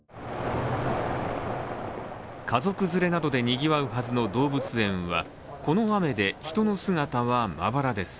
家族連れなどでにぎわうはずの動物園は、この雨で人の姿はまばらです。